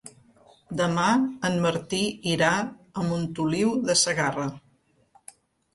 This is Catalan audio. Demà en Martí irà a Montoliu de Segarra.